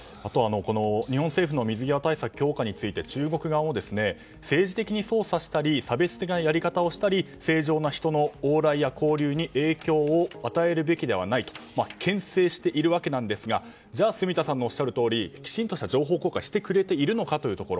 日本政府の水際対策強化について中国側も政治的に操作したり差別的なやり方をしたり正常な人の往来や交流に影響を与えるべきではないと牽制しているわけなんですがじゃあ、住田さんのおっしゃるとおりきちんとした情報公開をしてくれているのかというところ。